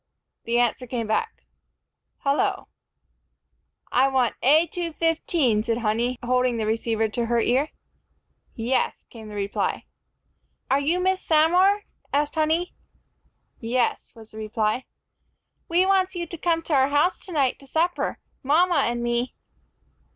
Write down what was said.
the answer came back, "Hullo!" "I wants A 215," said Honey, holding the receiver to her ear. "Yes," came the reply. "Are you Miss Samor?" asked Honey. "Yes," was the reply. "We wants you to come to our house tonight to supper, mama and me."